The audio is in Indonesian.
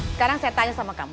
sekarang saya tanya sama kamu